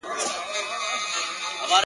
ځی ډېوې سو دغه توري شپې رڼا کړو,